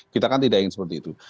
kita kan tidak ingin seperti itu